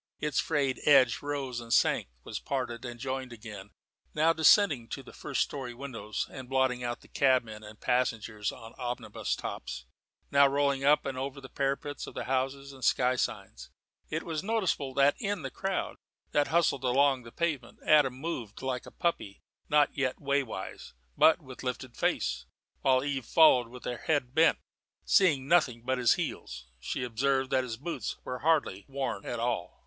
Its frayed edge rose and sank, was parted and joined again now descending to the first storey windows and blotting out the cabmen and passengers on omnibus tops, now rolling up and over the parapets of the houses and the sky signs. It was noticeable that in the crowd that hustled along the pavement Adam moved like a puppy not yet waywise, but with lifted face, while Eve followed with her head bent, seeing nothing but his heels. She observed that his boots were hardly worn at all.